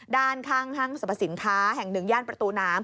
ด้านข้างห้างสรรพสินค้าแห่งหนึ่งย่านประตูน้ำ